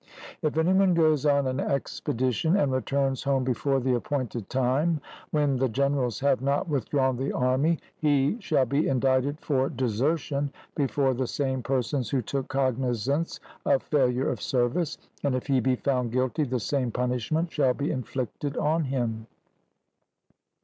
If any one goes on an expedition, and returns home before the appointed time, when the generals have not withdrawn the army, he shall be indicted for desertion before the same persons who took cognizance of failure of service, and if he be found guilty, the same punishment shall be inflicted on him.